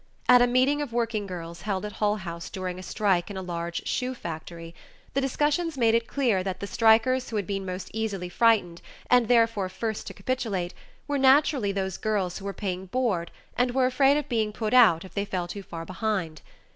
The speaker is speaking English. At a meeting of working girls held at Hull House during a strike in a large shoe factory, the discussions made it clear that the strikers who had been most easily frightened, and therefore first to capitulate, were naturally those girls who were paying board and were afraid of being put out if they fell too far behind.